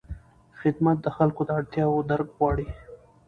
خدمت د خلکو د اړتیاوو درک غواړي.